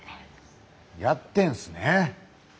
やってんすね！